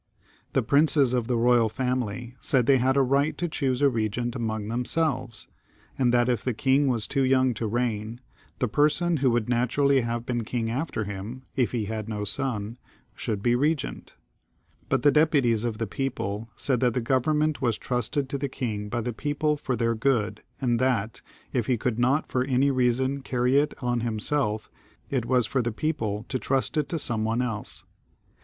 The princes of the royal family said they had a right to choose a regent among themselves, and that if the king was too yoimg to reign, the person who would naturally have been king after him, if he had no son, should be 224 CHARLES VIIL [CH. regent. But the deputies of the people said that the government was trusted to the king by the people for their good, and that, if he could not for any reason carry it on himself, it was for the people to trust it to some one else.